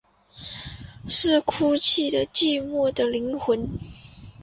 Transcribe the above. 是哭泣的寂寞的灵魂